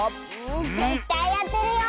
ぜったいあてるよ！。